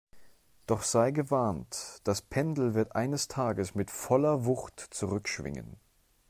Doch sei gewarnt, das Pendel wird eines Tages mit voller Wucht zurückschwingen!